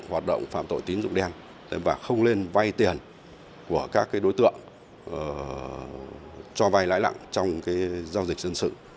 hoạt động phạm tội tín dụng đen và không lên vay tiền của các đối tượng cho vay lãi nặng trong giao dịch dân sự